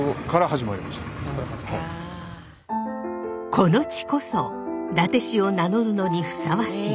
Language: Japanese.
この地こそ伊達市を名乗るのにふさわしい。